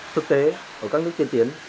thực tế ở các nước tiên tiến